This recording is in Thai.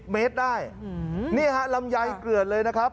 เมตรได้นี่ฮะลำไยเกลือดเลยนะครับ